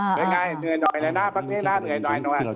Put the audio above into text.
เหนื่อยหน่อยนะ